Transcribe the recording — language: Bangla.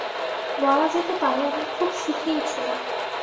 বলা যেতে পারে আমি খুব সুখেই ছিলাম।